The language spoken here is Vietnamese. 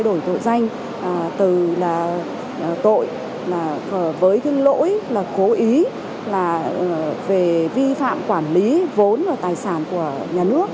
đổi tội danh từ là tội với cái lỗi là cố ý là về vi phạm quản lý vốn và tài sản của nhà nước